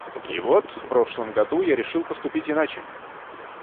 И вот в прошлом году я решил поступить иначе.